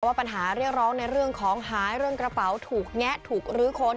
ว่าปัญหาเรียกร้องในเรื่องของหายเรื่องกระเป๋าถูกแงะถูกลื้อค้น